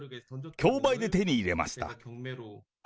競売で手に入れました。